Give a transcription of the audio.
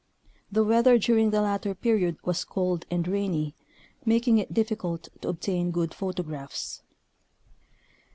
The weather during the latter period was cold and rainy, making it difficult to obtain good photographs.